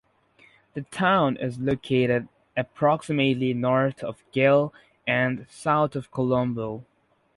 The town is located approximately north of Galle and south of Colombo.